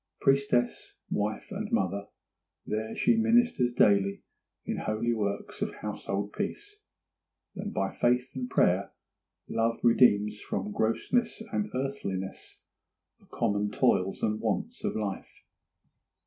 Priestess, wife, and mother, there she ministers daily in holy works of household peace, and by faith and prayer and love redeems from grossness and earthliness the common toils and wants of life.